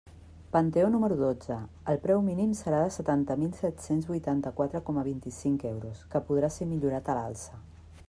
Panteó número dotze: el preu mínim serà de setanta mil set-cents vuitanta-quatre coma vint-i-cinc euros, que podrà ser millorat a l'alça.